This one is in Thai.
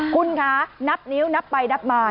คุณคะนับนิ้วนับไปนับมา